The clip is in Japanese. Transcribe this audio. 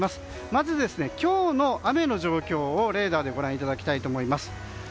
まず、今日の雨の状況をレーダーでご覧いただきたいと思います。